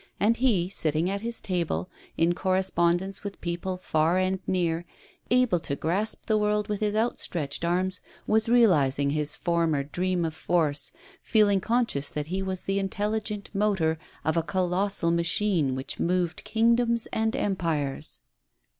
And he, sitting at bis table, in correspondence with people far and near, able to grasp the world with his outstretched arms, was realizing his former dream of force, feeling conscious that he was the intelligent motor of a colossal machine which moved kingdoms and empires.